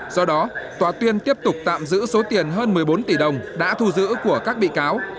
do đó tòa tuyên tiếp tục tạm giữ số tiền hơn một mươi bốn tỷ đồng đã thu giữ của các bị cáo